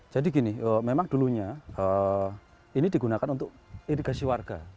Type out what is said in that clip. jadi gini memang dulunya ini digunakan untuk irigasi warga